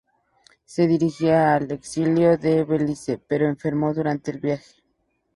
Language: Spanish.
Se dirigía al exilio en Belice, pero enfermó durante el viaje.